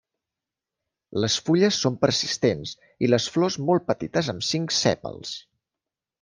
Les fulles són persistents i les flors molt petites amb cinc sèpals.